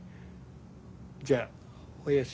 じゃお休み。